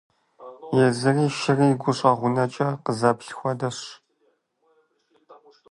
Езы шыри гущӀэгъунэкӀэ къызэплъ хуэдэщ.